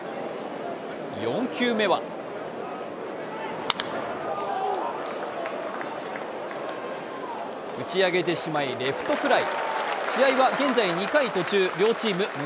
４球目は、打ち上げてしまい、レフトフライ。